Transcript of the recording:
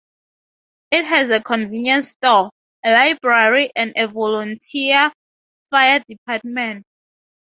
It has a convenience store, a library and a volunteer fire department.